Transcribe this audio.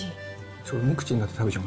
ちょっと無口になって食べちゃう。